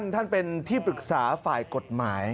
ท่านเป็นที่ปรึกษาฝ่ายกฎหมาย